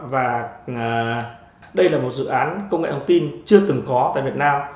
và đây là một dự án công nghệ thông tin chưa từng có tại việt nam